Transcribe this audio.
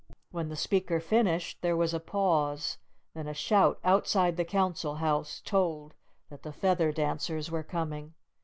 When the speaker finished, there was a pause, then a shout outside the Council House told that the Feather Dancers were coming.